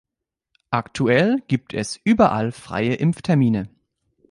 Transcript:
Aktuell gibt es überall freie Impftermine.